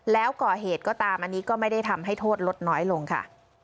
แล้วก่อเหตุก็ตามอันนี้ก็ไม่ได้ทำให้โทษลดน้อยลงค่ะ